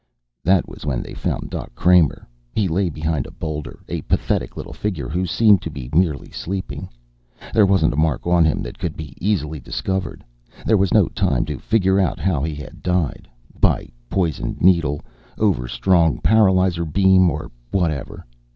That was when they found Doc Kramer. He lay behind a boulder, a pathetic little figure who seemed to be merely sleeping. There wasn't a mark on him that could be easily discovered. There was no time to figure out how he had died by poisoned needle, overstrong paralyzer beam, or whatever.